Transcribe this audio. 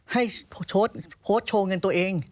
ให้โพสต์โชว์เงินตัวเอง